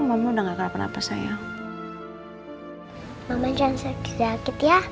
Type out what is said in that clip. ada apa pak